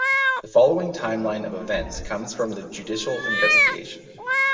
The following time-line of events comes from the judicial investigation.